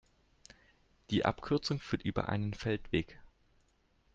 Die Abkürzung führt über einen Feldweg.